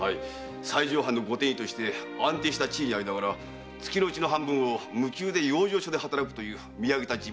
西条藩のご典医として安定した地位にありながら月の半分を無給で養生所で働くという見上げた人物です。